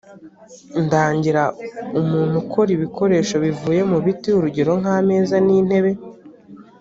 ndangira umuntu ukora ibikoresho bivuye mu biti urugero nk’ameza n’intebe